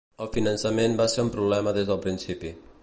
El finançament va ser un problema des del principi.